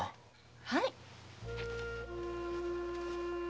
はい。